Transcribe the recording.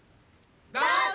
どうぞ！